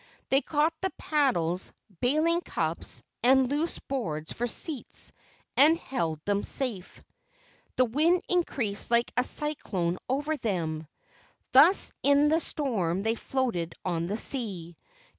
They caught the paddles, bailing cups, and loose boards for seats, and held them safe. The wind increased like a cyclone over them. KE AU NINI 177 Thus in the storm they floated on the sea.